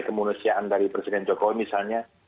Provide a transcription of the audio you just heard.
kemanusiaan dari presiden jokowi misalnya